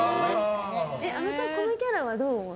あのちゃん、このキャラはどう思う？